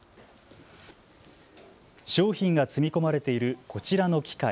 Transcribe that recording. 商品が積み込まれているこちらの機械。